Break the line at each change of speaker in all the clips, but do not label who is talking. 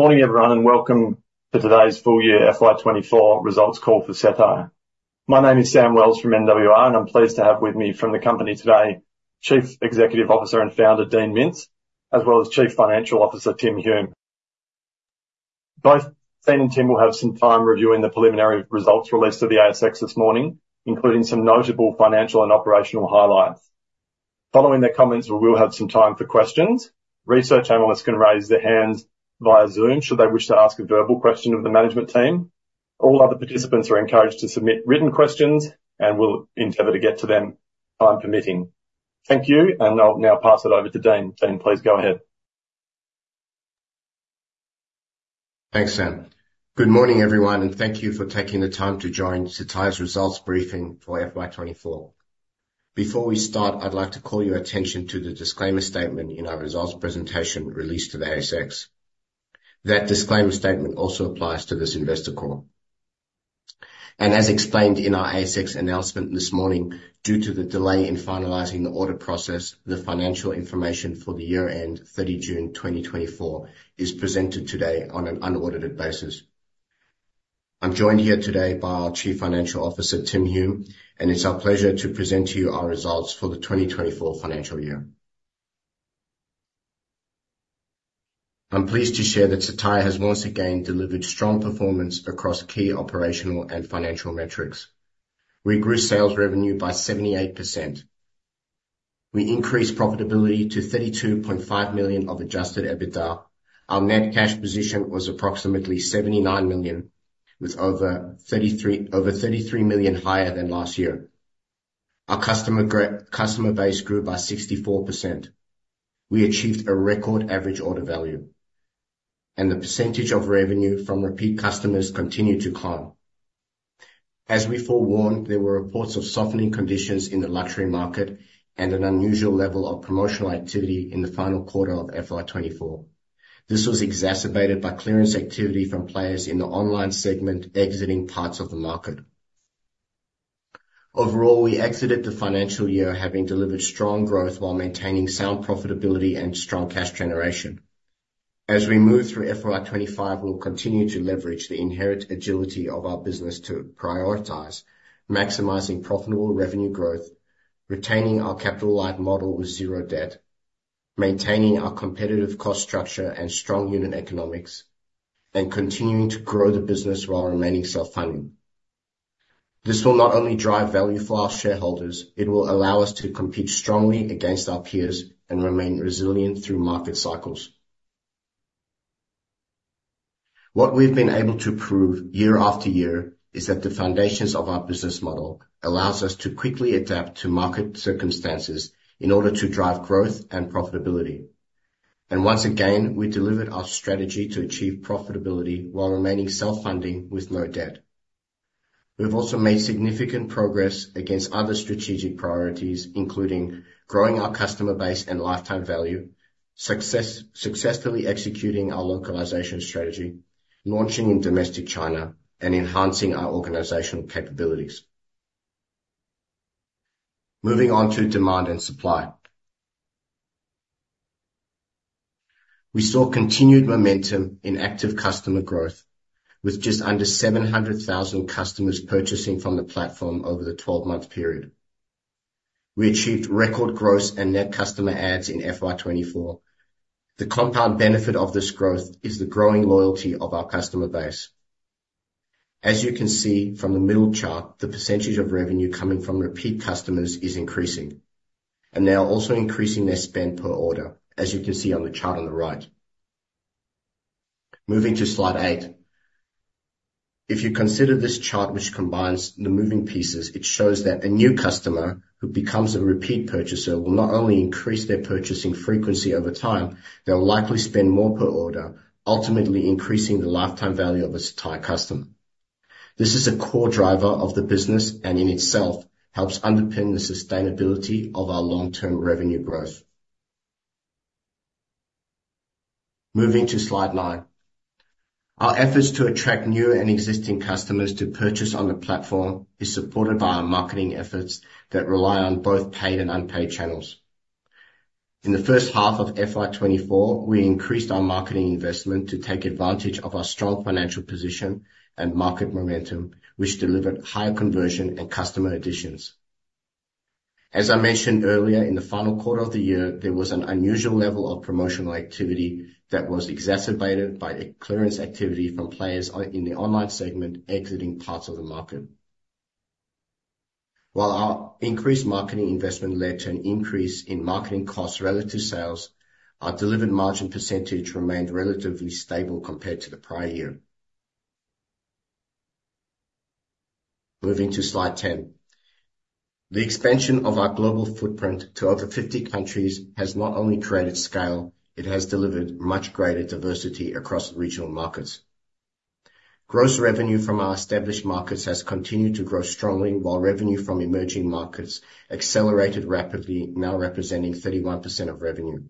Good morning, everyone, and welcome to today's full year FY 2024 results call for Cettire. My name is Sam Wells from NWR, and I'm pleased to have with me from the company today, Chief Executive Officer and Founder, Dean Mintz, as well as Chief Financial Officer, Tim Hume. Both Dean and Tim will have some time reviewing the preliminary results released to the ASX this morning, including some notable financial and operational highlights. Following their comments, we will have some time for questions. Research analysts can raise their hands via Zoom should they wish to ask a verbal question of the management team. All other participants are encouraged to submit written questions, and we'll endeavor to get to them, time permitting. Thank you, and I'll now pass it over to Dean. Dean, please go ahead.
Thanks, Sam. Good morning, everyone, and thank you for taking the time to join Cettire's results briefing for FY 2024. Before we start, I'd like to call your attention to the disclaimer statement in our results presentation released to the ASX. That disclaimer statement also applies to this investor call. And as explained in our ASX announcement this morning, due to the delay in finalizing the audit process, the financial information for the year-end, 30 June 2024, is presented today on an unaudited basis. I'm joined here today by our Chief Financial Officer, Tim Hume, and it's our pleasure to present to you our results for the 2024 financial year. I'm pleased to share that Cettire has once again delivered strong performance across key operational and financial metrics. We grew sales revenue by 78%. We increased profitability to $32.5 million of Adjusted EBITDA. Our net cash position was approximately $79 million, with over $33 million higher than last year. Our customer base grew by 64%. We achieved a record average order value, and the percentage of revenue from repeat customers continued to climb. As we forewarned, there were reports of softening conditions in the luxury market and an unusual level of promotional activity in the final quarter of FY24. This was exacerbated by clearance activity from players in the online segment exiting parts of the market. Overall, we exited the financial year having delivered strong growth while maintaining sound profitability and strong cash generation. As we move through FY 2025, we'll continue to leverage the inherent agility of our business to prioritize maximizing profitable revenue growth, retaining our capital-light model with zero debt, maintaining our competitive cost structure and strong unit economics, and continuing to grow the business while remaining self-funding. This will not only drive value for our shareholders, it will allow us to compete strongly against our peers and remain resilient through market cycles. What we've been able to prove year after year is that the foundations of our business model allows us to quickly adapt to market circumstances in order to drive growth and profitability, and once again, we delivered our strategy to achieve profitability while remaining self-funding with no debt. We've also made significant progress against other strategic priorities, including growing our customer base and lifetime value, successfully executing our localization strategy, launching in domestic China, and enhancing our organizational capabilities. Moving on to demand and supply. We saw continued momentum in active customer growth, with just under 700,000 customers purchasing from the platform over the 12-month period. We achieved record gross and net customer adds in FY 2024. The compound benefit of this growth is the growing loyalty of our customer base. As you can see from the middle chart, the percentage of revenue coming from repeat customers is increasing, and they are also increasing their spend per order, as you can see on the chart on the right. Moving to Slide eight. If you consider this chart, which combines the moving pieces, it shows that a new customer who becomes a repeat purchaser will not only increase their purchasing frequency over time, they'll likely spend more per order, ultimately increasing the lifetime value of a Cettire customer. This is a core driver of the business and, in itself, helps underpin the sustainability of our long-term revenue growth. Moving to slide nine. Our efforts to attract new and existing customers to purchase on the platform is supported by our marketing efforts that rely on both paid and unpaid channels. In the first half of FY 2024, we increased our marketing investment to take advantage of our strong financial position and market momentum, which delivered higher conversion and customer additions. As I mentioned earlier, in the final quarter of the year, there was an unusual level of promotional activity that was exacerbated by the clearance activity from players in the online segment, exiting parts of the market. While our increased marketing investment led to an increase in marketing costs relative to sales, our delivered margin percentage remained relatively stable compared to the prior year. Moving to slide 10. The expansion of our global footprint to over 50 countries has not only created scale, it has delivered much greater diversity across regional markets. Gross revenue from our established markets has continued to grow strongly, while revenue from emerging markets accelerated rapidly, now representing 31% of revenue.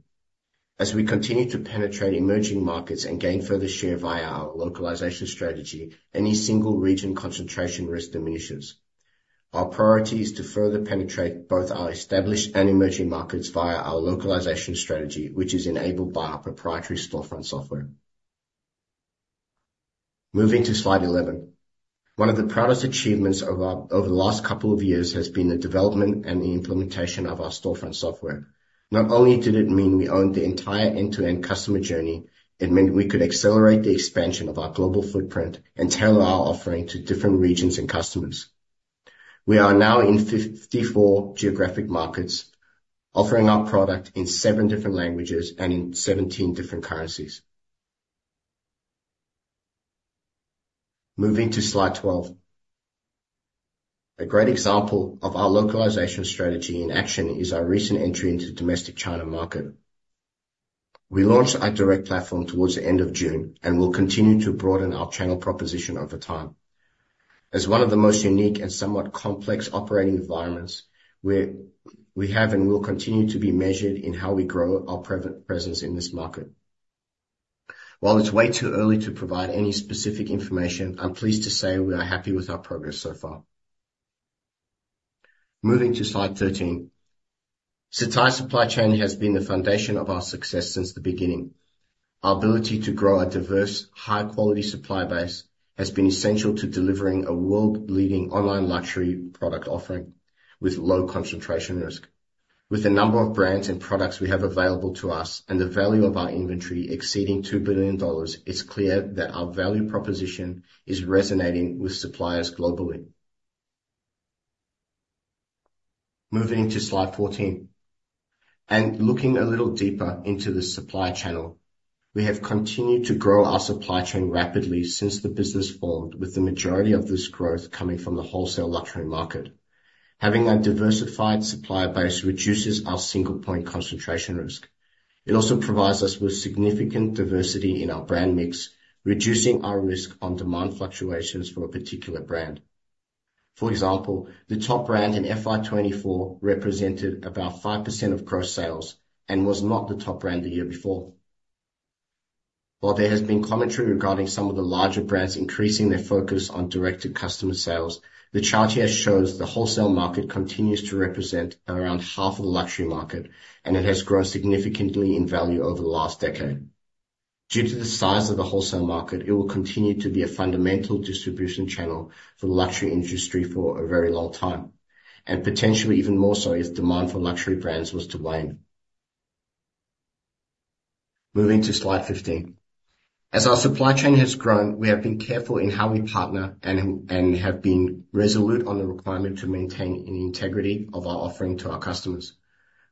As we continue to penetrate emerging markets and gain further share via our localization strategy, any single region concentration risk diminishes. Our priority is to further penetrate both our established and emerging markets via our localization strategy, which is enabled by our proprietary storefront software. Moving to Slide 11. One of the proudest achievements of our over the last couple of years has been the development and the implementation of our storefront software. Not only did it mean we owned the entire end-to-end customer journey, it meant we could accelerate the expansion of our global footprint and tailor our offering to different regions and customers. We are now in 54 geographic markets, offering our product in seven different languages and in 17 different currencies. Moving to Slide 12. A great example of our localization strategy in action is our recent entry into domestic China market. We launched our direct platform towards the end of June and will continue to broaden our channel proposition over time. As one of the most unique and somewhat complex operating environments, we have and will continue to be measured in how we grow our presence in this market. While it's way too early to provide any specific information, I'm pleased to say we are happy with our progress so far. Moving to slide 13. Cettire's supply chain has been the foundation of our success since the beginning. Our ability to grow a diverse, high-quality supply base has been essential to delivering a world-leading online luxury product offering with low concentration risk. With the number of brands and products we have available to us, and the value of our inventory exceeding $2 billion, it's clear that our value proposition is resonating with suppliers globally. Moving to slide 14. Looking a little deeper into the supply channel, we have continued to grow our supply chain rapidly since the business formed, with the majority of this growth coming from the wholesale luxury market. Having a diversified supplier base reduces our single-point concentration risk. It also provides us with significant diversity in our brand mix, reducing our risk on demand fluctuations for a particular brand. For example, the top brand in FY 2024 represented about 5% of gross sales and was not the top brand the year before. While there has been commentary regarding some of the larger brands increasing their focus on direct-to-customer sales, the chart here shows the wholesale market continues to represent around half of the luxury market, and it has grown significantly in value over the last decade. Due to the size of the wholesale market, it will continue to be a fundamental distribution channel for the luxury industry for a very long time, and potentially even more so if demand for luxury brands was to wane. Moving to slide 15. As our supply chain has grown, we have been careful in how we partner and have been resolute on the requirement to maintain the integrity of our offering to our customers.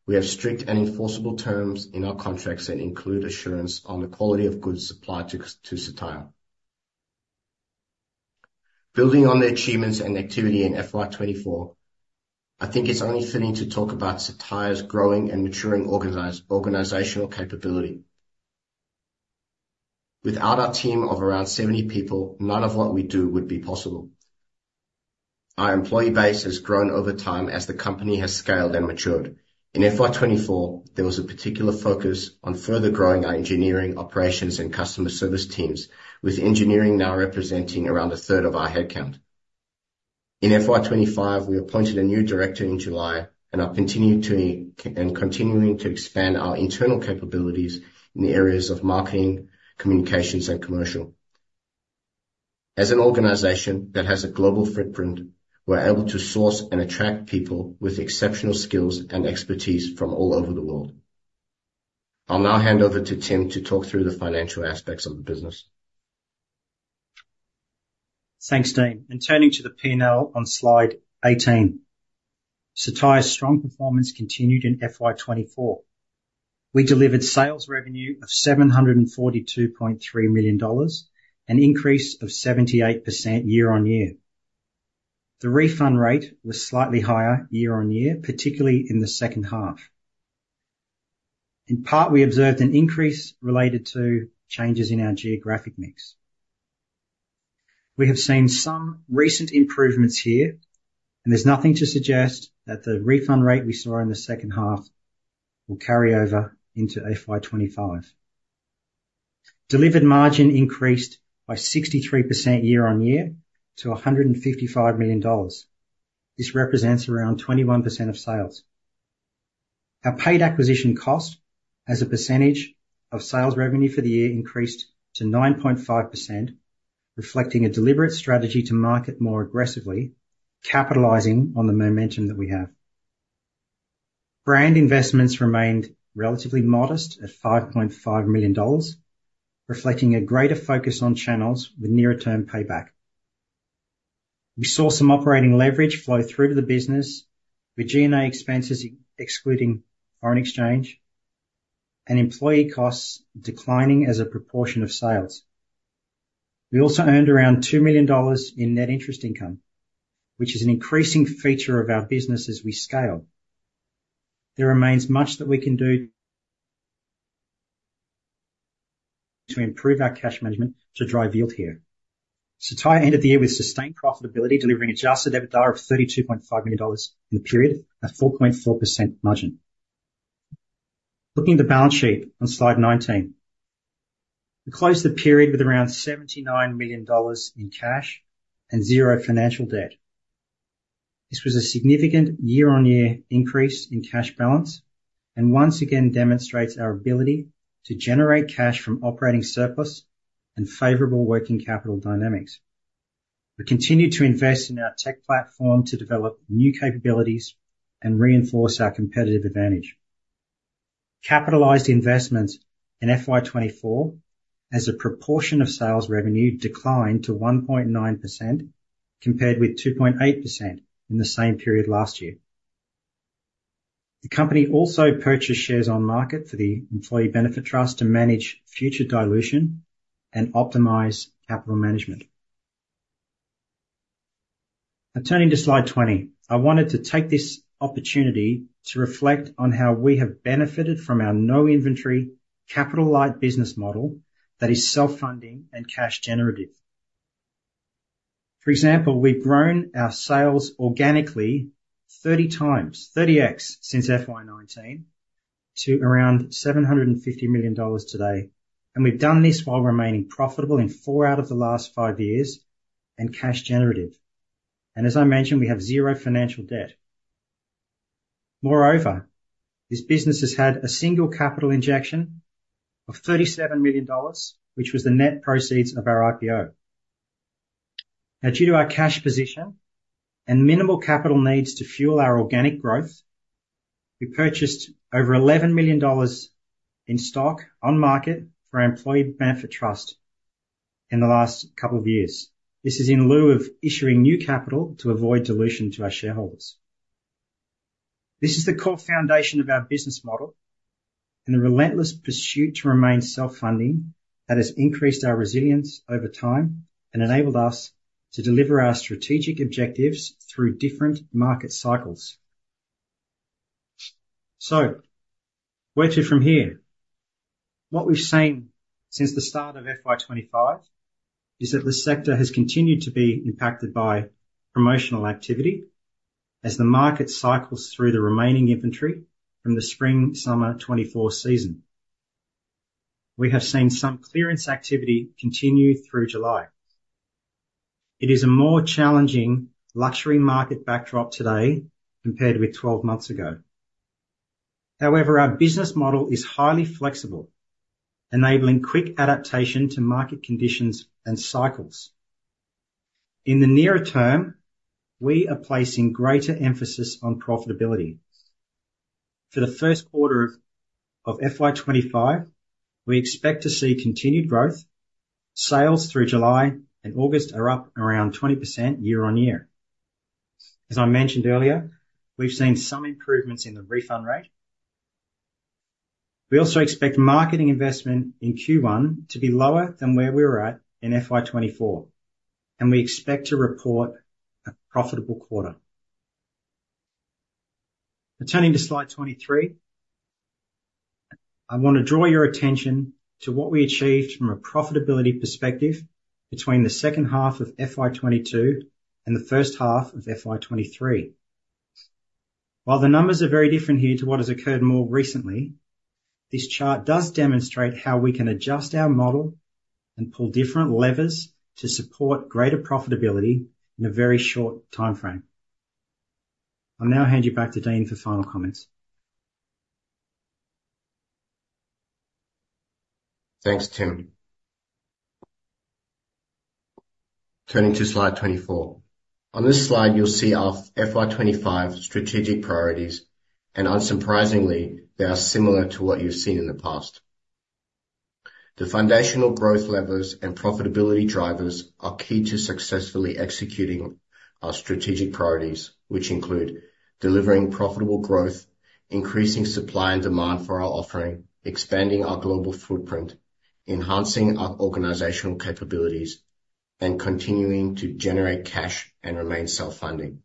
We have strict and enforceable terms in our contracts that include assurance on the quality of goods supplied to Cettire. Building on the achievements and activity in FY 2024, I think it's only fitting to talk about Cettire's growing and maturing organizational capability. Without our team of around seventy people, none of what we do would be possible. Our employee base has grown over time as the company has scaled and matured. In FY 2024, there was a particular focus on further growing our engineering, operations, and customer service teams, with engineering now representing around a third of our headcount. In FY 2025, we appointed a new director in July and are continuing to expand our internal capabilities in the areas of marketing, communications, and commercial. As an organization that has a global footprint, we're able to source and attract people with exceptional skills and expertise from all over the world. I'll now hand over to Tim to talk through the financial aspects of the business.
Thanks, Dean, and turning to the P&L on Slide 18, Cettire's strong performance continued in FY24. We delivered sales revenue of $742.3 million, an increase of 78% year on year. The refund rate was slightly higher year on year, particularly in the second half. In part, we observed an increase related to changes in our geographic mix. We have seen some recent improvements here, and there's nothing to suggest that the refund rate we saw in the second half will carry over into FY 2025. Delivered margin increased by 63% year on year to $155 million. This represents around 21% of sales. Our paid acquisition cost as a percentage of sales revenue for the year increased to 9.5%, reflecting a deliberate strategy to market more aggressively, capitalizing on the momentum that we have. Brand investments remained relatively modest at $5.5 million, reflecting a greater focus on channels with nearer-term payback. We saw some operating leverage flow through to the business, with G&A expenses, excluding foreign exchange and employee costs declining as a proportion of sales. We also earned around $2 million in net interest income, which is an increasing feature of our business as we scale. There remains much that we can do to improve our cash management to drive yield here. Cettire ended the year with sustained profitability, delivering Adjusted EBITDA of $32.5 million in the period, a 4.4% margin. Looking at the balance sheet on slide 19. We closed the period with around $79 million in cash and zero financial debt. This was a significant year-on-year increase in cash balance, and once again demonstrates our ability to generate cash from operating surplus and favorable working capital dynamics. We continue to invest in our tech platform to develop new capabilities and reinforce our competitive advantage. Capitalized investments in FY 2024, as a proportion of sales revenue, declined to 1.9%, compared with 2.8% in the same period last year. The company also purchased shares on market for the Employee Benefit Trust to manage future dilution and optimize capital management. Now, turning to slide 20. I wanted to take this opportunity to reflect on how we have benefited from our no inventory, capital-light business model that is self-funding and cash generative. For example, we've grown our sales organically 30 times, 30X, since FY 2019 to around $750 million today, and we've done this while remaining profitable in four out of the last five years, and cash generative. As I mentioned, we have zero financial debt. Moreover, this business has had a single capital injection of $37 million, which was the net proceeds of our IPO. Now, due to our cash position and minimal capital needs to fuel our organic growth, we purchased over $11 million in stock on market for our Employee Benefit Trust in the last couple of years. This is in lieu of issuing new capital to avoid dilution to our shareholders. This is the core foundation of our business model and a relentless pursuit to remain self-funding that has increased our resilience over time, and enabled us to deliver our strategic objectives through different market cycles. So where to from here? What we've seen since the start of FY 2025 is that the sector has continued to be impacted by promotional activity, as the market cycles through the remaining inventory from the Spring/Summer 2024 season. We have seen some clearance activity continue through July. It is a more challenging luxury market backdrop today compared with 12 months ago. However, our business model is highly flexible, enabling quick adaptation to market conditions and cycles. In the nearer term, we are placing greater emphasis on profitability. For the first quarter of FY 2025, we expect to see continued growth. Sales through July and August are up around 20% year-on-year. As I mentioned earlier, we've seen some improvements in the refund rate. We also expect marketing investment in Q1 to be lower than where we were at in FY 2024, and we expect to report a profitable quarter. Now, turning to slide 23, I want to draw your attention to what we achieved from a profitability perspective between the second half of FY 2022, and the first half of FY 2023. While the numbers are very different here to what has occurred more recently, this chart does demonstrate how we can adjust our model and pull different levers to support greater profitability in a very short timeframe. I'll now hand you back to Dean for final comments.
Thanks, Tim. Turning to slide 24. On this slide, you'll see our FY 2025 strategic priorities, and unsurprisingly, they are similar to what you've seen in the past. The foundational growth levers and profitability drivers are key to successfully executing our strategic priorities, which include: delivering profitable growth, increasing supply and demand for our offering, expanding our global footprint, enhancing our organizational capabilities, and continuing to generate cash and remain self-funding.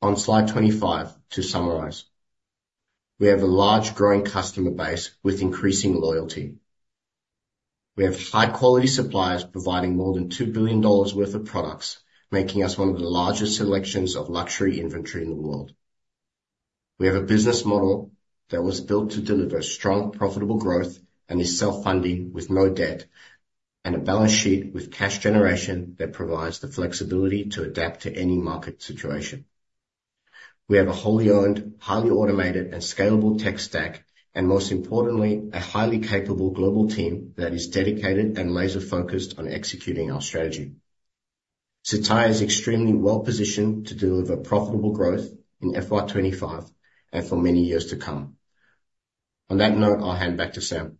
On slide 25, to summarize. We have a large growing customer base with increasing loyalty. We have high-quality suppliers providing more than $2 billion worth of products, making us one of the largest selections of luxury inventory in the world. We have a business model that was built to deliver strong, profitable growth and is self-funding with no debt, and a balance sheet with cash generation that provides the flexibility to adapt to any market situation. We have a wholly owned, highly automated and scalable tech stack, and most importantly, a highly capable global team that is dedicated and laser-focused on executing our strategy. Cettire is extremely well-positioned to deliver profitable growth in FY 2025 and for many years to come. On that note, I'll hand back to Sam.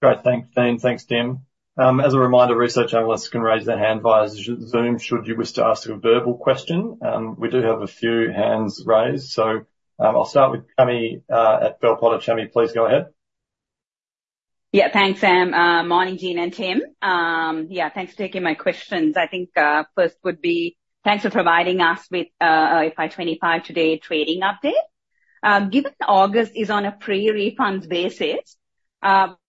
Great. Thanks, Dean. Thanks, Tim. As a reminder, research analysts can raise their hand via Zoom should you wish to ask a verbal question. We do have a few hands raised, so I'll start with Chami at Bell Potter. Chami, please go ahead.
Yeah. Thanks, Sam. Morning, Dean and Tim. Yeah, thanks for taking my questions. I think, first would be, thanks for providing us with a FY 2025 today trading update. Given August is on a pre-refunds basis- ...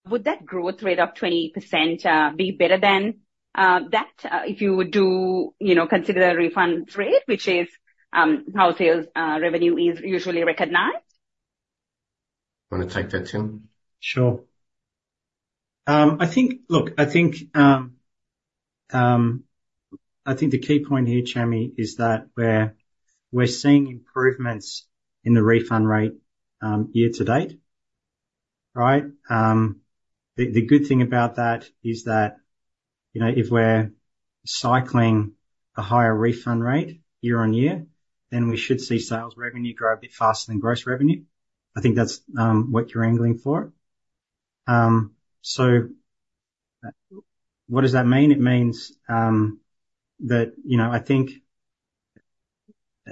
Would that growth rate of 20% be better than that if you were to, you know, consider the refund rate, which is how sales revenue is usually recognized?
Wanna take that, Tim?
Sure. I think the key point here, Chami, is that we're seeing improvements in the refund rate year to date. Right? The good thing about that is that, you know, if we're cycling a higher refund rate year-on-year, then we should see sales revenue grow a bit faster than gross revenue. I think that's what you're angling for. So what does that mean? It means that, you know, I think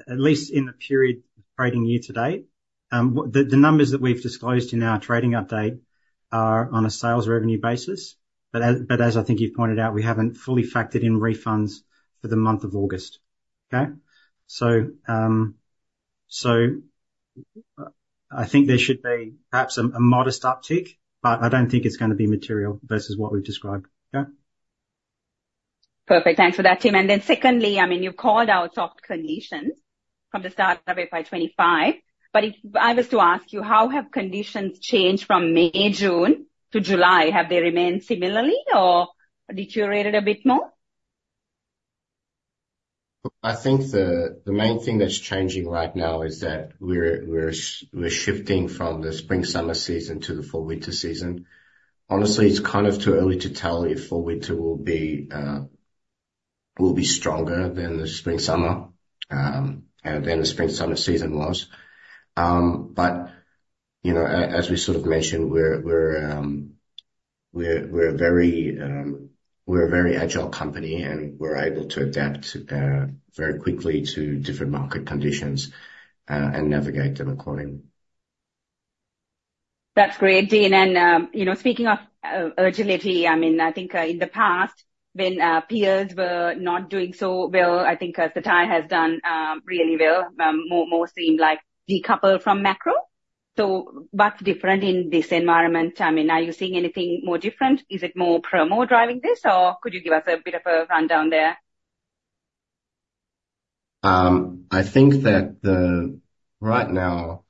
at least in the period trading year to date, the numbers that we've disclosed in our trading update are on a sales revenue basis, but as I think you've pointed out, we haven't fully factored in refunds for the month of August, okay? So, I think there should be perhaps a modest uptick, but I don't think it's gonna be material versus what we've described. Okay?
Perfect. Thanks for that, Tim. And then secondly, I mean, you've called out soft conditions from the start of FY 2025, but if I was to ask you, how have conditions changed from May, June to July? Have they remained similarly or deteriorated a bit more?
I think the main thing that's changing right now is that we're shifting from the Spring/Summer season to the Fall/Winter season. Honestly, it's kind of too early to tell if Fall/Winter will be stronger than the Spring/Summer and than the Spring/Summer season was. But you know, as we sort of mentioned, we're a very agile company, and we're able to adapt very quickly to different market conditions and navigate them accordingly.
That's great, Dean. And you know, speaking of agility, I mean, I think in the past, when peers were not doing so well, I think Cettire has done really well. More seemed like decoupled from macro. So what's different in this environment? I mean, are you seeing anything more different? Is it more promo driving this, or could you give us a bit of a rundown there?
I think that right now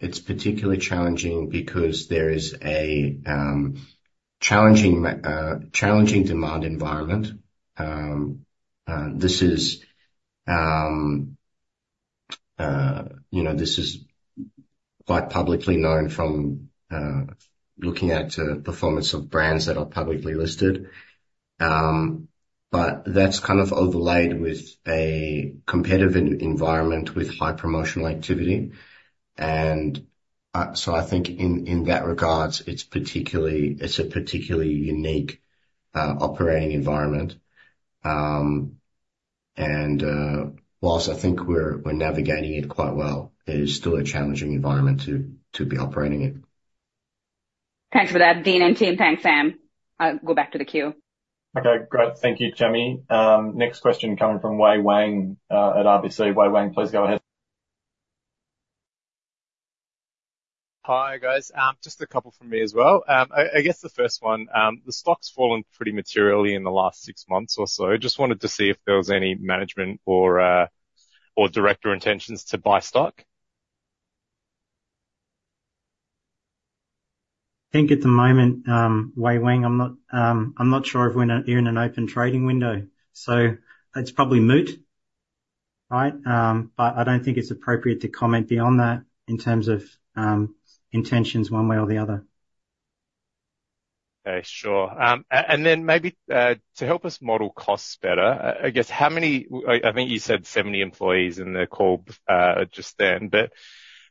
it's particularly challenging because there is a challenging demand environment. This is, you know, quite publicly known from looking at performance of brands that are publicly listed, but that's kind of overlaid with a competitive environment with high promotional activity, and so I think in that regards, it's a particularly unique operating environment, and while I think we're navigating it quite well, it is still a challenging environment to be operating in.
Thanks for that, Dean and team. Thanks, Sam. I'll go back to the queue.
Okay, great. Thank you, Chami. Next question coming from Wei-Weng Chen at RBC. Wei-Weng Chen, please go ahead.
Hi, guys. Just a couple from me as well. I guess the first one, the stock's fallen pretty materially in the last six months or so. Just wanted to see if there was any management or director intentions to buy stock?
I think at the moment, Wei-Weng, I'm not sure if we're in an open trading window, so it's probably moot, right? But I don't think it's appropriate to comment beyond that in terms of intentions one way or the other.
Okay, sure. And then maybe to help us model costs better, I think you said 70 employees in the call just then, but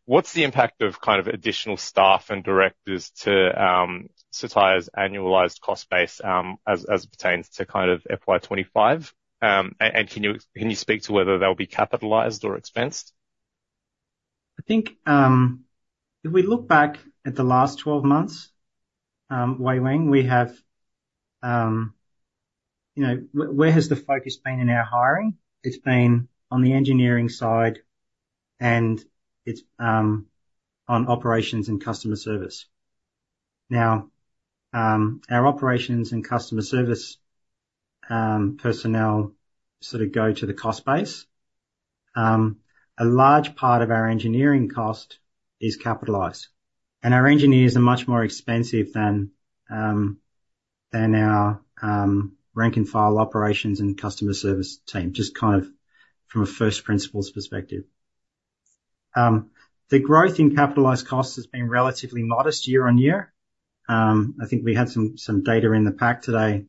what's the impact of kind of additional staff and directors to Cettire's annualized cost base as it pertains to kind of FY 2025? And can you speak to whether they'll be capitalized or expensed?
I think, if we look back at the last 12 months, Wei-Weng Chen, we have... You know, where has the focus been in our hiring? It's been on the engineering side, and it's on operations and customer service. Now, our operations and customer service personnel sort of go to the cost base. A large part of our engineering cost is capitalized, and our engineers are much more expensive than our rank and file operations and customer service team, just kind of from a first principles perspective. The growth in capitalized costs has been relatively modest year-on-year. I think we had some data in the pack today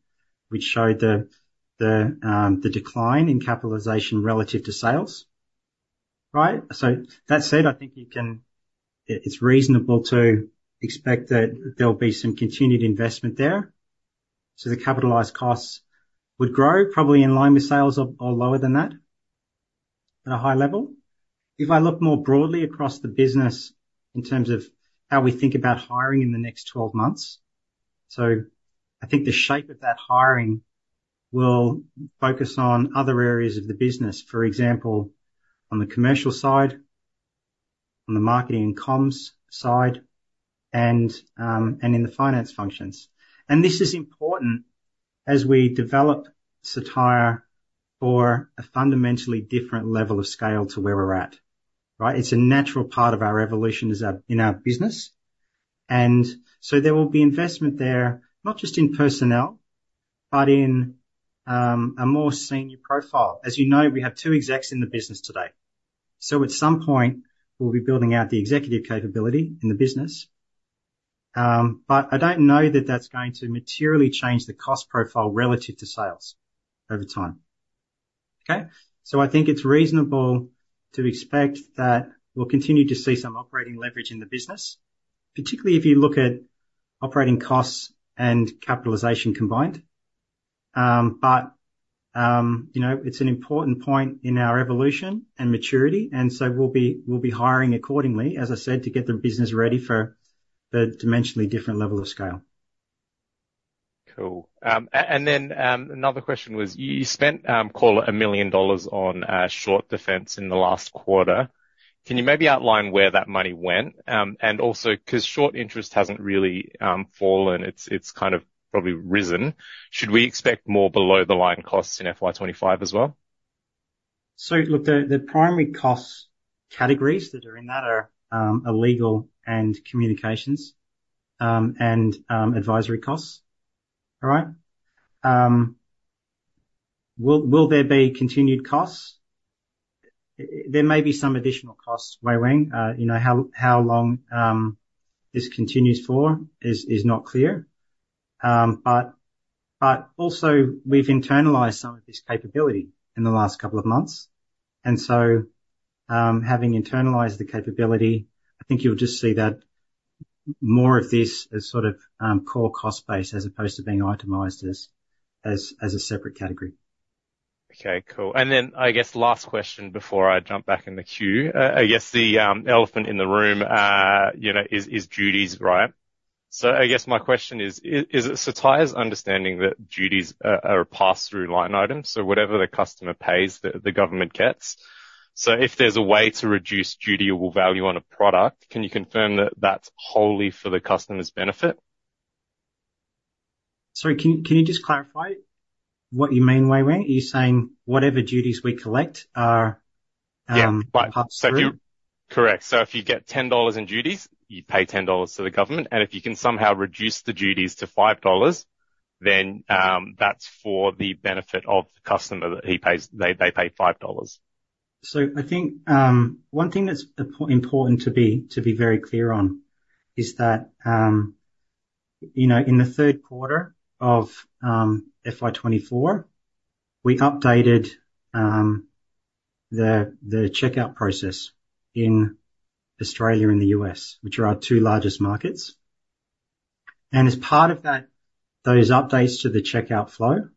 which showed the decline in capitalization relative to sales, right? So that said, I think you can, it's reasonable to expect that there'll be some continued investment there. So the capitalized costs would grow probably in line with sales or lower than that, at a high level. If I look more broadly across the business in terms of how we think about hiring in the next 12 months, so I think the shape of that hiring will focus on other areas of the business, for example, on the commercial side, on the marketing and comms side, and in the finance functions. And this is important as we develop Cettire for a fundamentally different level of scale to where we're at, right? It's a natural part of our evolution as our business. And so there will be investment there, not just in personnel, but in a more senior profile. As you know, we have two execs in the business today. So at some point, we'll be building out the executive capability in the business. But I don't know that that's going to materially change the cost profile relative to sales over time. Okay? So I think it's reasonable to expect that we'll continue to see some operating leverage in the business, particularly if you look at operating costs and capitalization combined. You know, it's an important point in our evolution and maturity, and so we'll be hiring accordingly, as I said, to get the business ready for the dimensionally different level of scale.
Cool. And then, another question was, you spent, call it $1 million on, short defense in the last quarter. Can you maybe outline where that money went? And also, 'cause short interest hasn't really fallen, it's kind of probably risen. Should we expect more below-the-line costs in FY 2025 as well?
So look, the primary cost categories that are in that are legal and communications, and advisory costs. All right? Will there be continued costs? There may be some additional costs, Wei-Weng Chen. You know how long this continues for is not clear. But also we've internalized some of this capability in the last couple of months, and so, having internalized the capability, I think you'll just see that more of this as sort of core cost base as opposed to being itemized as a separate category.
Okay, cool. And then I guess last question before I jump back in the queue. I guess the elephant in the room, you know, is duties, right? So I guess my question is: Is Cettire's understanding that duties are a pass-through line item, so whatever the customer pays, the government gets. So if there's a way to reduce dutiable value on a product, can you confirm that that's wholly for the customer's benefit?
Sorry, can you just clarify what you mean, Wei-Weng? Are you saying whatever duties we collect are pass-through?
Yeah. Correct, so if you get $10 in duties, you pay $10 to the government, and if you can somehow reduce the duties to $5, then that's for the benefit of the customer, that he pays, they pay $5.
I think one thing that's important to be very clear on is that, you know, in the third quarter of FY 2024, we updated the checkout process in Australia and the US, which are our two largest markets. As part of that, those updates to the checkout flow,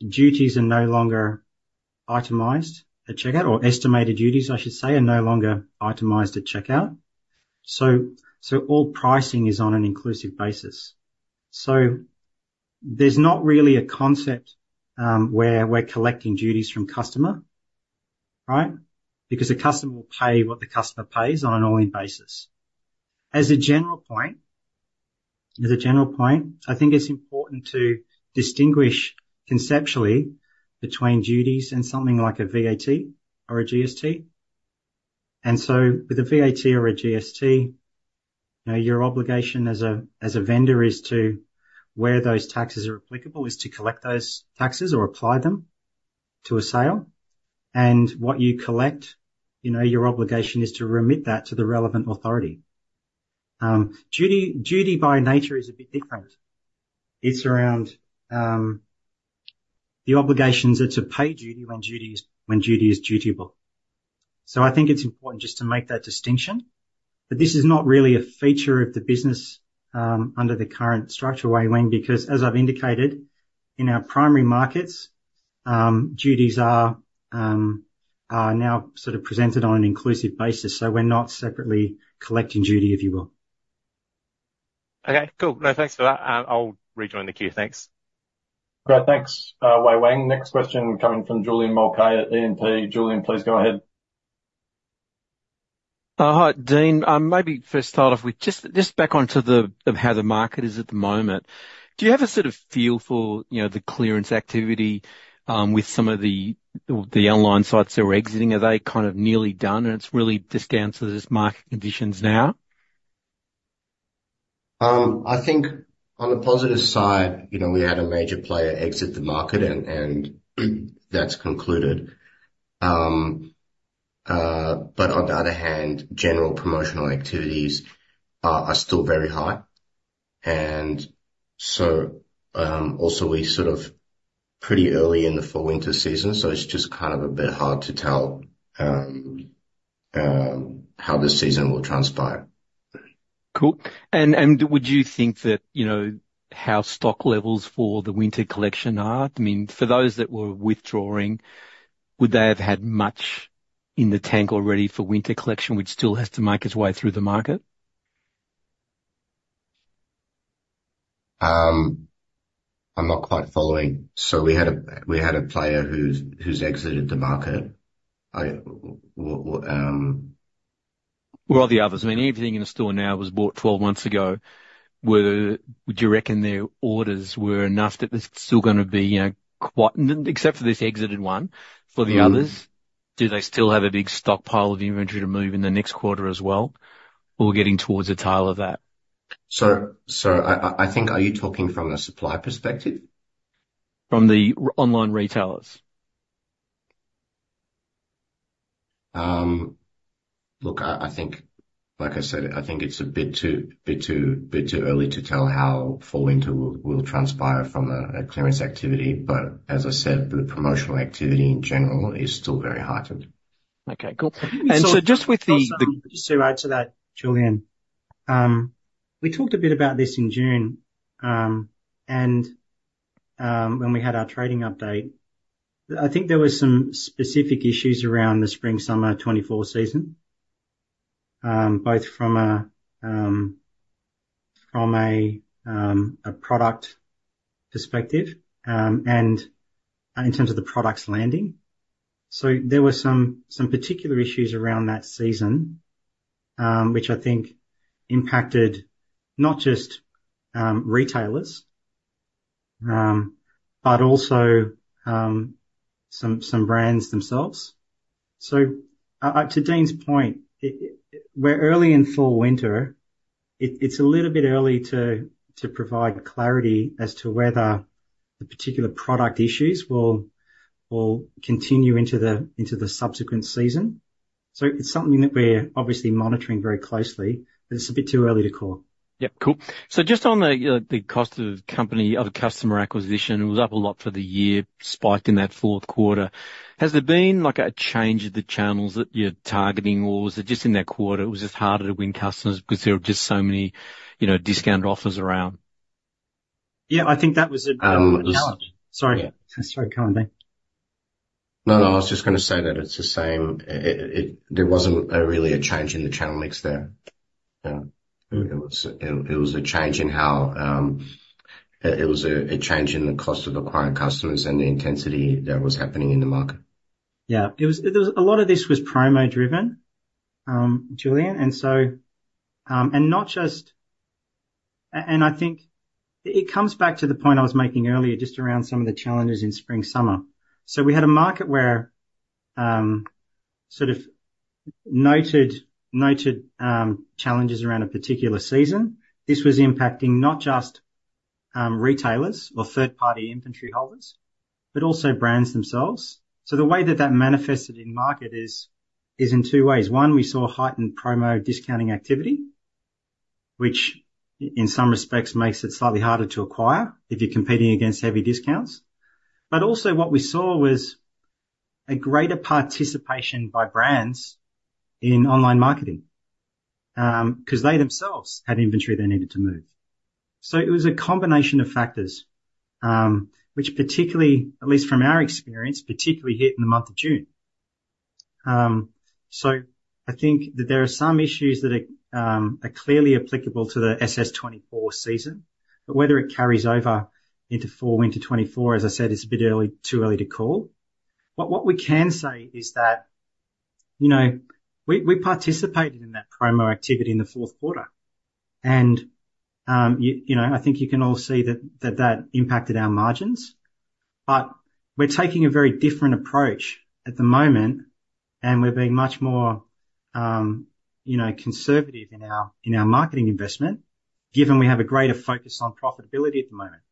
duties are no longer itemized at checkout, or estimated duties, I should say, are no longer itemized at checkout. All pricing is on an inclusive basis. There's not really a concept where we're collecting duties from customer, right? Because the customer will pay what the customer pays on an all-in basis. As a general point, I think it's important to distinguish conceptually between duties and something like a VAT or a GST. With a VAT or a GST, you know, your obligation as a vendor is to, where those taxes are applicable, collect those taxes or apply them to a sale. What you collect, you know, your obligation is to remit that to the relevant authority. Duty by nature is a bit different. It's around the obligations are to pay duty when duty is dutiable. I think it's important just to make that distinction. This is not really a feature of the business under the current structure, Wei-Weng Chen, because as I've indicated, in our primary markets, duties are now sort of presented on an inclusive basis, so we're not separately collecting duty, if you will.
Okay, cool. No, thanks for that. I'll rejoin the queue. Thanks.
Great. Thanks, Wei-Weng Chen. Next question coming from Julian Mulcahy at E&P. Julian, please go ahead.
Hi, Dean. Maybe first start off with just back onto how the market is at the moment. Do you have a sort of feel for, you know, the clearance activity with some of the online sites that are exiting? Are they kind of nearly done and it's really just down to just market conditions now?
I think on the positive side, you know, we had a major player exit the market, and that's concluded, but on the other hand, general promotional activities are still very high, and so also we're sort of pretty early in the Fall/Winter season, so it's just kind of a bit hard to tell how the season will transpire.
Cool. And would you think that, you know, how stock levels for the winter collection are? I mean, for those that were withdrawing, would they have had much in the tank already for winter collection, which still has to make its way through the market?...
I'm not quite following. So we had a player who's exited the market.
The others. I mean, everything in the store now was bought 12 months ago. Would you reckon their orders were enough that there's still gonna be, you know, quite... Except for this exited one, for the others, do they still have a big stockpile of inventory to move in the next quarter as well? Or we're getting towards the tail of that?
I think, are you talking from a supply perspective?
From the online retailers.
Look, I think, like I said, I think it's a bit too early to tell how Fall/Winter will transpire from a clearance activity. But as I said, the promotional activity in general is still very heightened.
Okay, cool. And so just with the
Just to add to that, Julian. We talked a bit about this in June, and when we had our trading update. I think there were some specific issues around the spring/summer 2024 season, both from a product perspective, and in terms of the products landing. So there were some particular issues around that season, which I think impacted not just retailers, but also some brands themselves. So to Dean's point, we're early in Fall/Winter. It's a little bit early to provide clarity as to whether the particular product issues will continue into the subsequent season. So it's something that we're obviously monitoring very closely, but it's a bit too early to call.
Yep. Cool. So just on the cost of customer acquisition, it was up a lot for the year, spiked in that fourth quarter. Has there been, like, a change in the channels that you're targeting, or was it just in that quarter, it was just harder to win customers because there were just so many, you know, discount offers around?
Sorry, go on, Dean.
No, no, I was just gonna say that it's the same. There wasn't really a change in the channel mix there. Yeah. It was a change in how. It was a change in the cost of acquiring customers and the intensity that was happening in the market.
Yeah. It was a lot of this was promo driven, Julian, and so, and not just. I think it comes back to the point I was making earlier, just around some of the challenges in spring/summer. So we had a market where sort of noted challenges around a particular season. This was impacting not just retailers or third-party inventory holders, but also brands themselves. So the way that that manifested in market is in two ways: One, we saw heightened promo discounting activity, which in some respects makes it slightly harder to acquire if you're competing against heavy discounts. But also what we saw was a greater participation by brands in online marketing, 'cause they themselves had inventory they needed to move. So it was a combination of factors, which particularly, at least from our experience, particularly hit in the month of June. So I think that there are some issues that are clearly applicable to the SS 2024 season, but whether it carries over into Fall/Winter 2024, as I said, it's a bit early, too early to call. But what we can say is that, you know, we participated in that promo activity in the fourth quarter, and, you know, I think you can all see that that impacted our margins. But we're taking a very different approach at the moment, and we're being much more, you know, conservative in our marketing investment, given we have a greater focus on profitability at the moment.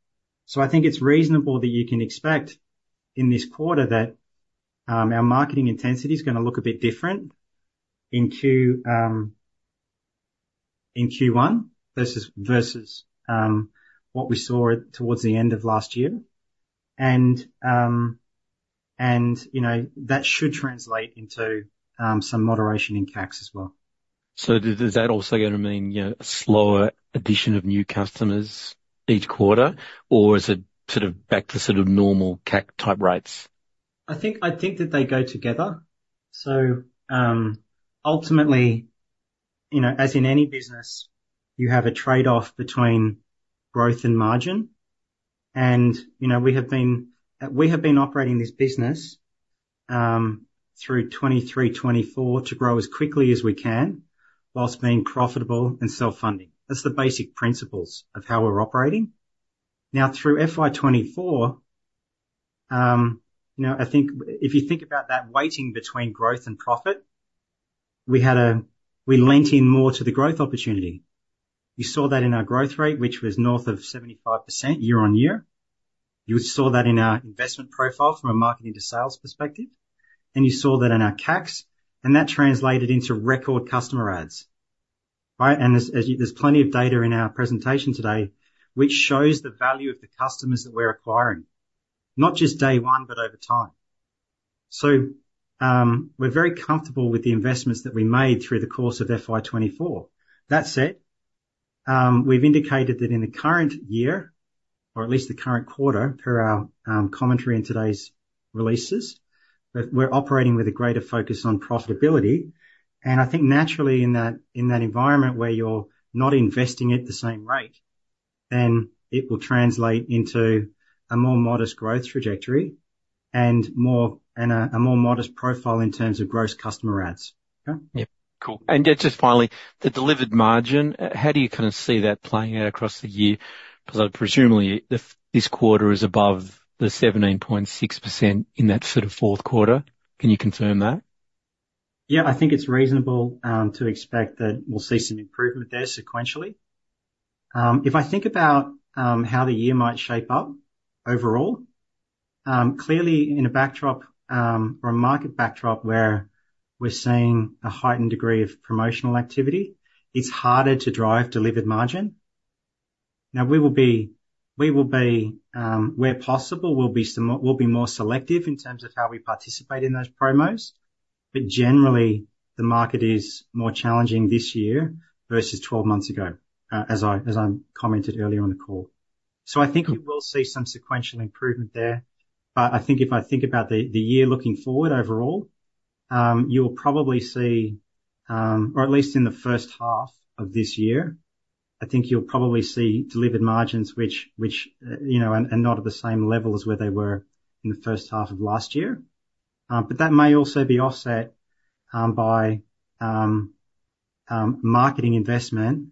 So I think it's reasonable that you can expect in this quarter that our marketing intensity is gonna look a bit different in Q1, versus what we saw towards the end of last year. And you know, that should translate into some moderation in CACs as well.
So does that also gonna mean, you know, a slower addition of new customers each quarter? Or is it sort of back to sort of normal CAC type rates?
I think that they go together, so ultimately, you know, as in any business, you have a trade-off between growth and margin, and you know, we have been operating this business through 2023, 2024, to grow as quickly as we can, whilst being profitable and self-funding. That's the basic principles of how we're operating. Now through FY 2024, you know, I think if you think about that weighting between growth and profit, we leaned in more to the growth opportunity. You saw that in our growth rate, which was north of 75% year on year. You saw that in our investment profile from a marketing to sales perspective, and you saw that in our CACs, and that translated into record customer adds, right? As you, there's plenty of data in our presentation today which shows the value of the customers that we're acquiring, not just day one, but over time. So, we're very comfortable with the investments that we made through the course of FY 2024. That said, we've indicated that in the current year or at least the current quarter, per our commentary in today's releases, but we're operating with a greater focus on profitability. And I think naturally in that environment where you're not investing at the same rate, then it will translate into a more modest growth trajectory and a more modest profile in terms of gross customer adds. Okay?
Yep. Cool. And just finally, the delivered margin, how do you kinda see that playing out across the year? 'Cause I presumably, if this quarter is above the 17.6% in that sort of fourth quarter, can you confirm that?
Yeah, I think it's reasonable to expect that we'll see some improvement there sequentially. If I think about how the year might shape up overall, clearly in a backdrop or a market backdrop where we're seeing a heightened degree of promotional activity, it's harder to drive delivered margin. Now, where possible, we'll be more selective in terms of how we participate in those promos. But generally, the market is more challenging this year versus 12 months ago, as I commented earlier on the call. So I think we will see some sequential improvement there, but I think if I think about the year looking forward overall, you'll probably see. or at least in the first half of this year, I think you'll probably see delivered margins which you know are not at the same level as where they were in the first half of last year. But that may also be offset by marketing investment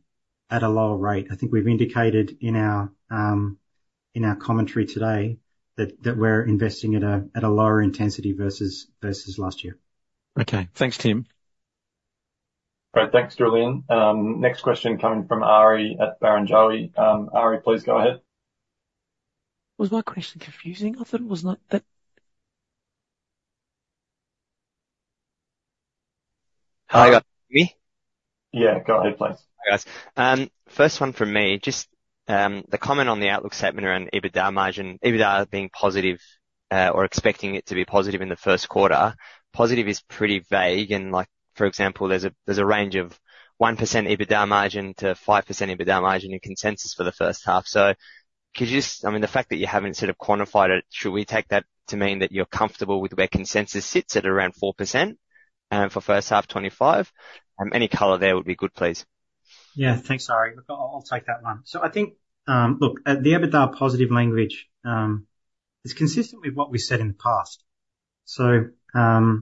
at a lower rate. I think we've indicated in our commentary today that we're investing at a lower intensity versus last year.
Okay. Thanks, Tim.
Great. Thanks, Julian. Next question coming from Ari at Barrenjoey. Ari, please go ahead.
Was my question confusing? I thought it was not that-
Hi, guys. Me?
Yeah, go ahead, please.
Hi, guys. First one from me. Just, the comment on the outlook statement around EBITDA margin, EBITDA being positive, or expecting it to be positive in the first quarter. Positive is pretty vague, and like, for example, there's a range of 1% EBITDA margin to 5% EBITDA margin in consensus for the first half. So could you just-- I mean, the fact that you haven't sort of quantified it, should we take that to mean that you're comfortable with where consensus sits at around 4%, for first half 2025? Any color there would be good, please.
Yeah. Thanks, Ari. I'll take that one. So I think the EBITDA positive language is consistent with what we said in the past, so I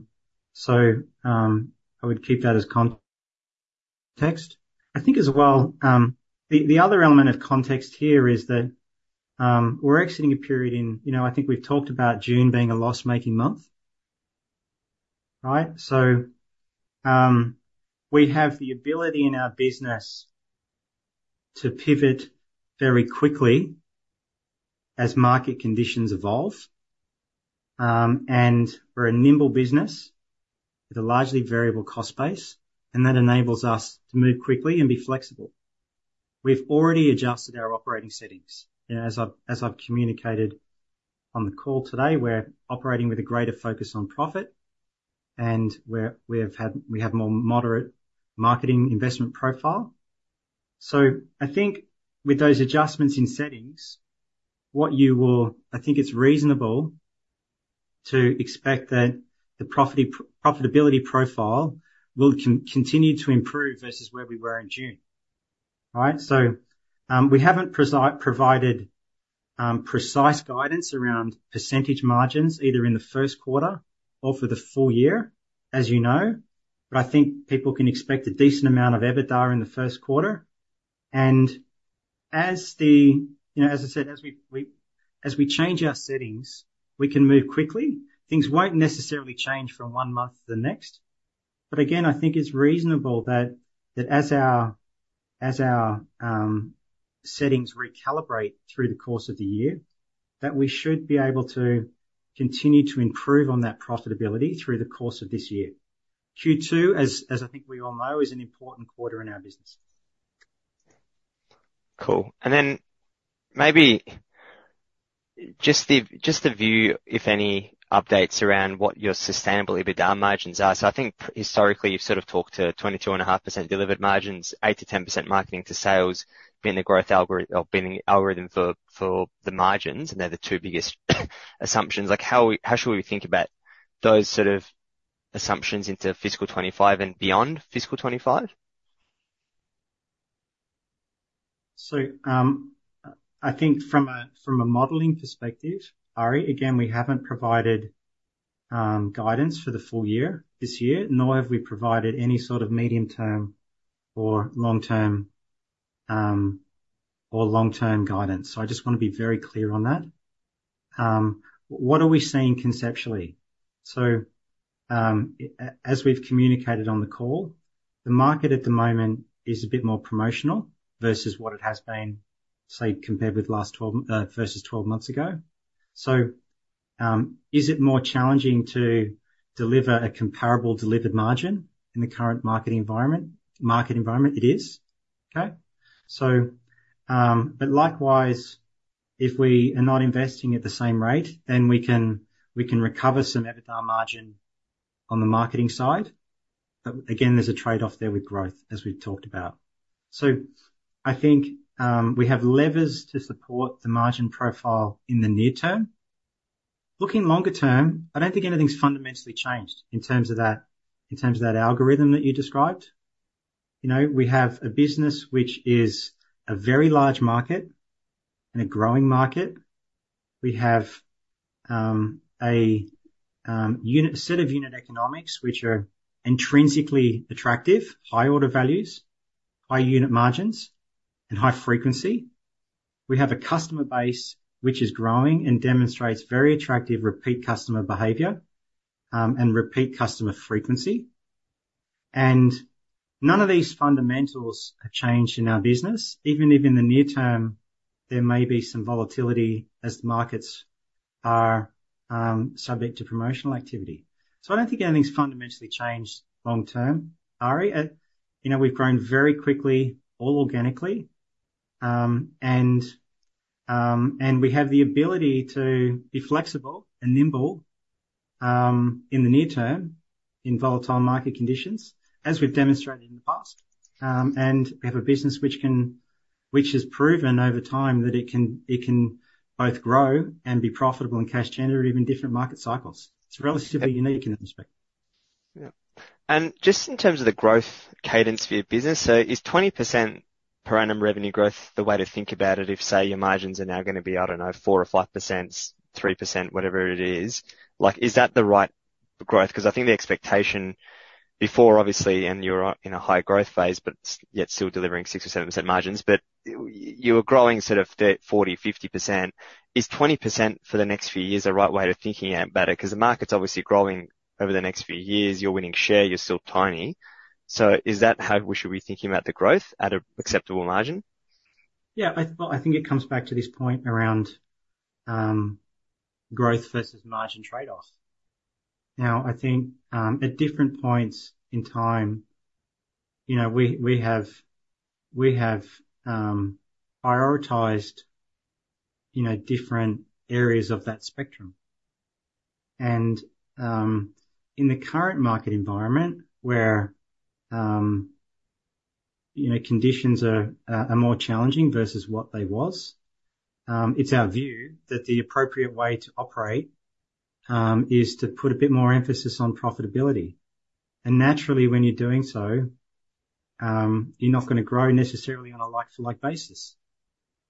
would keep that as context. I think as well the other element of context here is that we're exiting a period in, you know, I think we've talked about June being a loss-making month, right? So we have the ability in our business to pivot very quickly as market conditions evolve, and we're a nimble business with a largely variable cost base, and that enables us to move quickly and be flexible. We've already adjusted our operating settings, and as I've communicated on the call today, we're operating with a greater focus on profit, and we have a more moderate marketing investment profile. So I think with those adjustments in settings, what you will I think it's reasonable to expect that the profitability profile will continue to improve versus where we were in June. All right? So, we haven't provided precise guidance around percentage margins, either in the first quarter or for the full year, as you know, but I think people can expect a decent amount of EBITDA in the first quarter. And as the... You know, as I said, as we change our settings, we can move quickly. Things won't necessarily change from one month to the next, but again, I think it's reasonable that as our settings recalibrate through the course of the year, that we should be able to continue to improve on that profitability through the course of this year. Q2, as I think we all know, is an important quarter in our business.
Cool. And then maybe just the view, if any, updates around what your sustainable EBITDA margins are. So I think historically, you've sort of talked to 22.5% delivered margins, 8%-10% marketing to sales, being the growth algorithm for, for the margins, and they're the two biggest assumptions. Like, how should we think about those sort of assumptions into fiscal 2025 and beyond fiscal 2025?
So, I think from a modeling perspective, Ari, again, we haven't provided guidance for the full year this year, nor have we provided any sort of medium-term or long-term guidance. I just want to be very clear on that. What are we seeing conceptually? As we've communicated on the call, the market at the moment is a bit more promotional versus what it has been, say, compared with last 12 versus 12 months ago. Is it more challenging to deliver a comparable delivered margin in the current market environment? It is. Okay? But likewise, if we are not investing at the same rate, then we can recover some EBITDA margin on the marketing side, but again, there's a trade-off there with growth, as we've talked about. I think we have levers to support the margin profile in the near term. Looking longer term, I don't think anything's fundamentally changed in terms of that, in terms of that algorithm that you described. You know, we have a business which is a very large market and a growing market. We have a set of unit economics, which are intrinsically attractive, high order values, high unit margins, and high frequency. We have a customer base which is growing and demonstrates very attractive repeat customer behavior, and repeat customer frequency. And none of these fundamentals have changed in our business, even if in the near term there may be some volatility as the markets are subject to promotional activity. I don't think anything's fundamentally changed long term, Ari. You know, we've grown very quickly, all organically, and we have the ability to be flexible and nimble in the near term in volatile market conditions, as we've demonstrated in the past. And we have a business which has proven over time that it can both grow and be profitable and cash generative in different market cycles. It's relatively unique in that respect.
Yeah. And just in terms of the growth cadence for your business, so is 20% per annum revenue growth the way to think about it, if, say, your margins are now gonna be, I don't know, 4% or 5%, 3%, whatever it is? Like, is that the right growth? 'Cause I think the expectation before, obviously, and you're in a high growth phase, but yet still delivering 6% or 7% margins, but you were growing sort of 40%, 50%. Is 20% for the next few years the right way to thinking about it? 'Cause the market's obviously growing over the next few years. You're winning share, you're still tiny. So is that how we should be thinking about the growth at an acceptable margin?
Yeah, well, I think it comes back to this point around growth versus margin trade-off. Now, I think at different points in time, you know, we have prioritized, you know, different areas of that spectrum. And in the current market environment, where you know, conditions are more challenging versus what they was, it's our view that the appropriate way to operate is to put a bit more emphasis on profitability. And naturally, when you're doing so, you're not gonna grow necessarily on a like-for-like basis.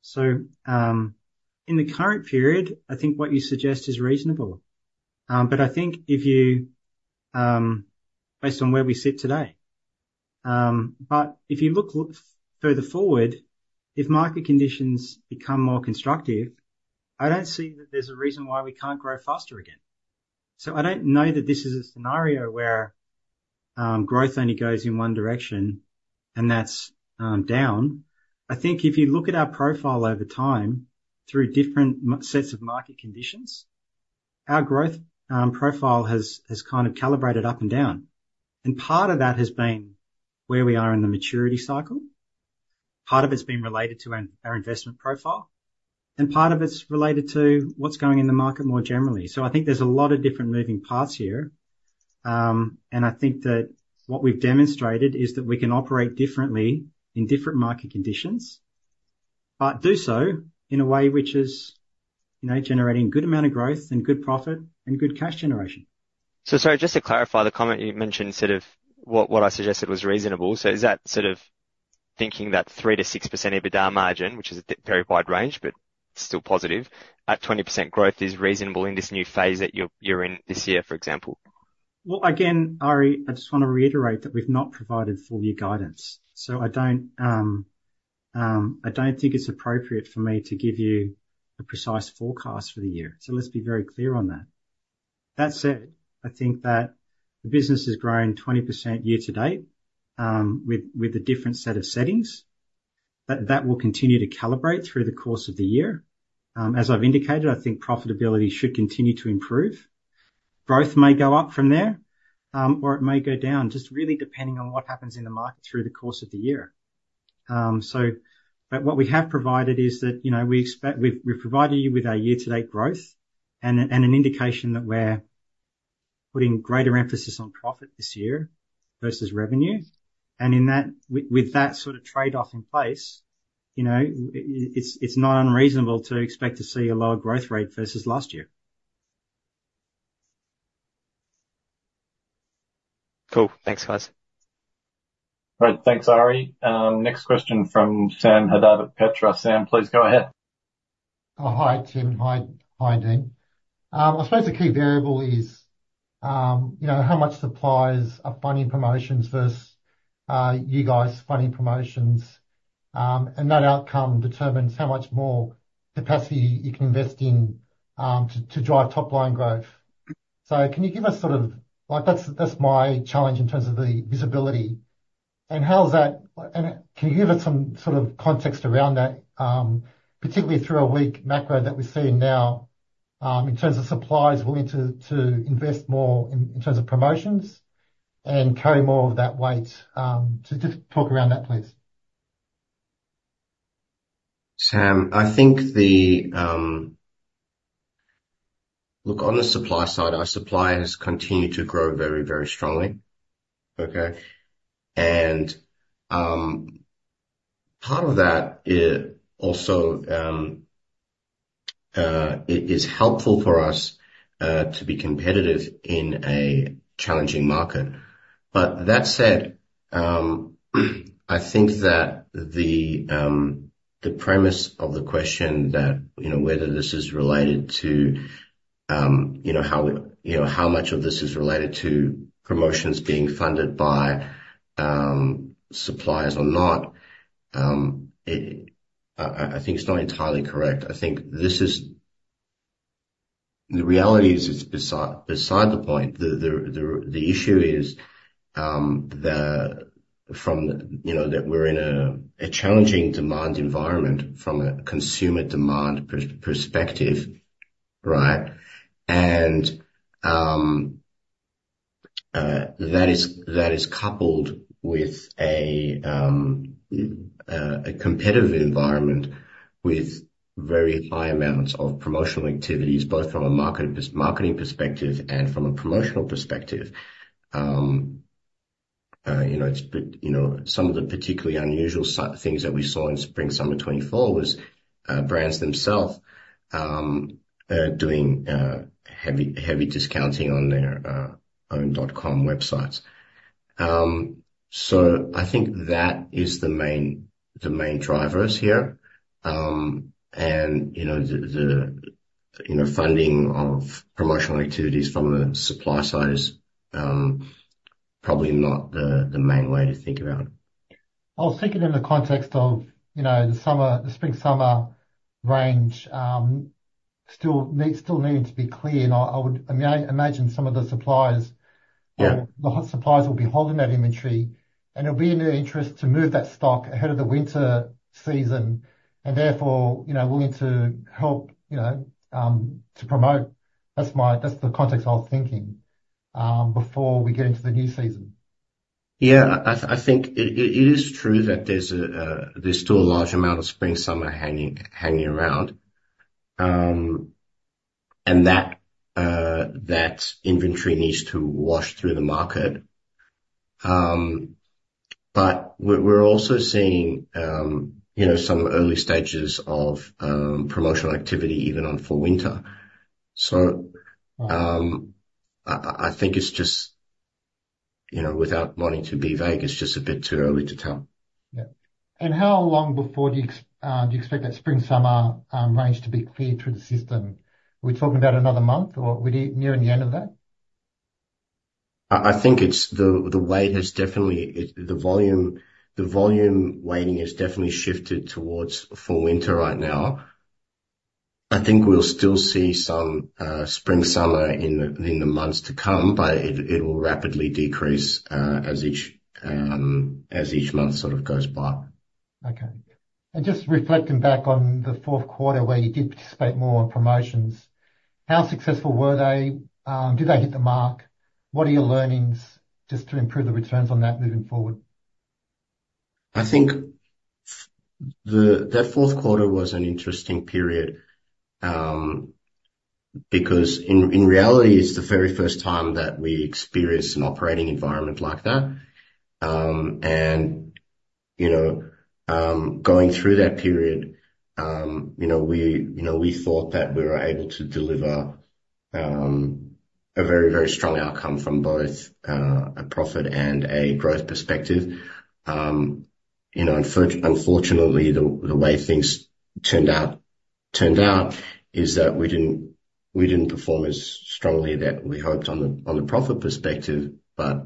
So in the current period, I think what you suggest is reasonable. But I think if you based on where we sit today. But if you look further forward, if market conditions become more constructive, I don't see that there's a reason why we can't grow faster again. So I don't know that this is a scenario where growth only goes in one direction, and that's down. I think if you look at our profile over time, through different sets of market conditions, our growth profile has kind of calibrated up and down, and part of that has been where we are in the maturity cycle, part of it's been related to our investment profile, and part of it's related to what's going on in the market more generally. So I think there's a lot of different moving parts here. And I think that what we've demonstrated is that we can operate differently in different market conditions, but do so in a way which is, you know, generating good amount of growth and good profit and good cash generation.
So sorry, just to clarify the comment, you mentioned sort of what I suggested was reasonable. So is that sort of thinking that 3%-6% EBITDA margin, which is a very wide range, but still positive, at 20% growth, is reasonable in this new phase that you're in this year, for example?
Again, Ari, I just wanna reiterate that we've not provided full year guidance, so I don't think it's appropriate for me to give you a precise forecast for the year, so let's be very clear on that. That said, I think that the business has grown 20% year to date, with a different set of settings, but that will continue to calibrate through the course of the year. As I've indicated, I think profitability should continue to improve. Growth may go up from there, or it may go down, just really depending on what happens in the market through the course of the year. But what we have provided is that, you know, we expect. We've provided you with our year-to-date growth and an indication that we're putting greater emphasis on profit this year versus revenue. With that sort of trade-off in place, you know, it's not unreasonable to expect to see a lower growth rate versus last year.
Cool. Thanks, guys.
All right. Thanks, Ari. Next question from Sam Haddad at Petra. Sam, please go ahead.
Oh, hi, Tim. Hi, hi, Dean. I suppose the key variable is, you know, how much suppliers are funding promotions versus you guys funding promotions, and that outcome determines how much more capacity you can invest in to drive top-line growth. So can you give us sort of ... Like, that's, that's my challenge in terms of the visibility. And how is that. And can you give us some sort of context around that, particularly through a weak macro that we're seeing now, in terms of suppliers willing to invest more in terms of promotions and carry more of that weight. So just talk around that, please.
...Sam, I think the look, on the supply side, our suppliers continue to grow very, very strongly, okay? And part of that also, it is helpful for us to be competitive in a challenging market. But that said, I think that the premise of the question that, you know, whether this is related to, you know, how much of this is related to promotions being funded by suppliers or not, it, I, I think it's not entirely correct. I think this is The reality is, it's beside the point. The issue is, from the You know, that we're in a challenging demand environment from a consumer demand perspective, right? That is coupled with a competitive environment with very high amounts of promotional activities, both from a marketing perspective and from a promotional perspective. You know, it's been you know some of the particularly unusual things that we saw in spring, summer 2024 was brands themselves doing heavy discounting on their own dotcom websites. So I think that is the main drivers here. You know, the funding of promotional activities from the supply side is probably not the main way to think about it.
I was thinking in the context of, you know, the summer, the spring-summer range, still needing to be cleared, and I would imagine some of the suppliers.
Yeah.
The suppliers will be holding that inventory, and it'll be in their interest to move that stock ahead of the winter season and therefore, you know, willing to help, you know, to promote. That's the context I was thinking, before we get into the new season. Yeah. I think it is true that there's still a large amount of spring, summer hanging around. And that inventory needs to wash through the market. But we're also seeing, you know, some early stages of promotional activity, even on for winter. So, Yeah.
I think it's just, you know, without wanting to be vague, it's just a bit too early to tell.
Yeah. And how long before do you expect that spring-summer range to be cleared through the system? Are we talking about another month, or we're nearing the end of that?
I think it's the volume weighting has definitely shifted towards fall-winter right now. I think we'll still see some spring, summer in the months to come, but it will rapidly decrease as each month sort of goes by.
Okay. And just reflecting back on the fourth quarter, where you did participate more on promotions, how successful were they? Did they hit the mark? What are your learnings, just to improve the returns on that moving forward?
I think that fourth quarter was an interesting period because in reality, it's the very first time that we experienced an operating environment like that, you know, going through that period, you know, we thought that we were able to deliver a very, very strong outcome from both a profit and a growth perspective. You know, unfortunately, the way things turned out is that we didn't perform as strongly that we hoped on the profit perspective, but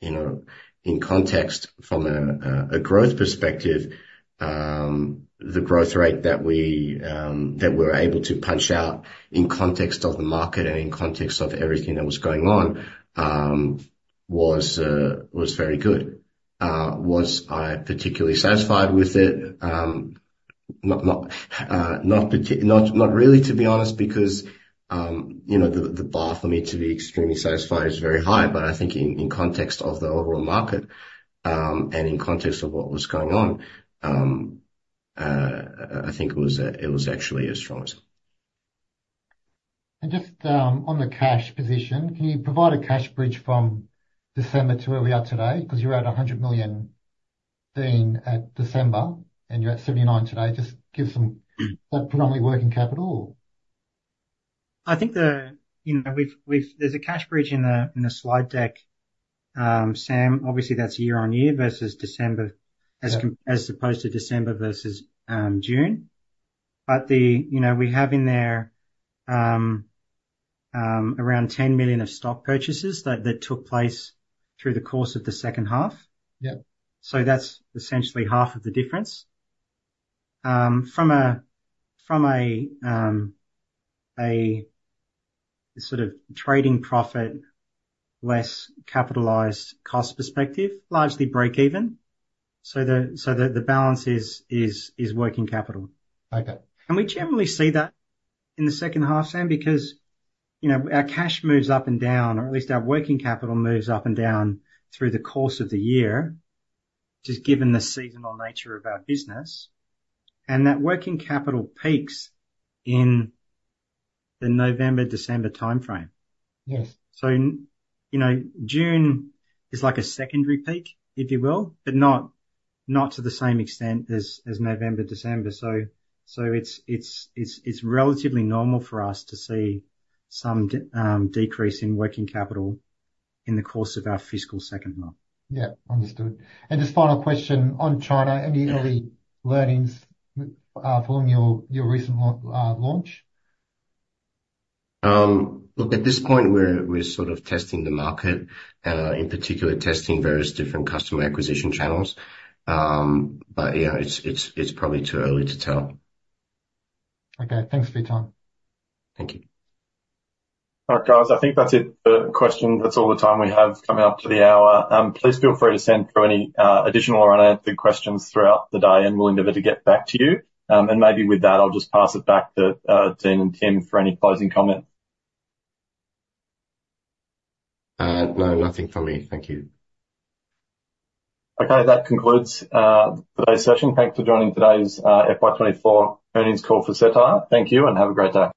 you know, in context from a growth perspective, the growth rate that we're able to punch out in context of the market and in context of everything that was going on was very good. Was I particularly satisfied with it? Not really, to be honest, because you know, the bar for me to be extremely satisfied is very high. But I think in context of the overall market, and in context of what was going on, I think it was actually a strong result.
Just on the cash position, can you provide a cash bridge from December to where we are today? 'Cause you were at $100 million at December, and you're at $79 million today. Is that predominantly working capital?
I think... You know, we've. There's a cash bridge in the slide deck. Sam, obviously that's year on year versus December-
Yeah...
as opposed to December versus June. But the, you know, we have in there around $10 million of stock purchases that took place through the course of the second half.
Yeah.
So that's essentially half of the difference. From a sort of trading profit less capitalized cost perspective, largely breakeven, so the balance is working capital.
Okay.
We generally see that in the second half, Sam, because, you know, our cash moves up and down, or at least our working capital moves up and down through the course of the year, just given the seasonal nature of our business. That working capital peaks in the November-December timeframe.
Yes.
You know, June is like a secondary peak, if you will, but not to the same extent as November, December. It's relatively normal for us to see some decrease in working capital in the course of our fiscal second half.
Yeah. Understood. And just final question on China-
Yeah...
any early learnings following your recent launch?
Look, at this point, we're sort of testing the market, and in particular, testing various different customer acquisition channels. But, you know, it's probably too early to tell.
Okay. Thanks for your time.
Thank you. All right, guys, I think that's it for questions. That's all the time we have coming up to the hour. Please feel free to send through any additional or unanswered questions throughout the day, and we'll endeavor to get back to you. And maybe with that, I'll just pass it back to Dean and Tim for any closing comments. No, nothing from me. Thank you.
Okay. That concludes today's session. Thanks for joining today's FY 2024 earnings call for Cettire. Thank you, and have a great day.